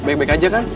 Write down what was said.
baik baik aja kan